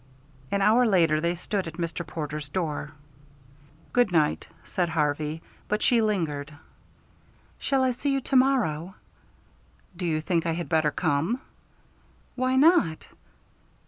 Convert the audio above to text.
An hour later they stood at Mr. Porter's door. "Good night," said Harvey, but she lingered. "Shall I see you to morrow?" "Do you think I had better come?" "Why not?"